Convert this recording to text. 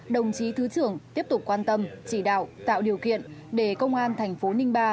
đồng chí thứ trưởng tiếp tục quan tâm chỉ đạo tạo điều kiện để công an thành phố ninh ba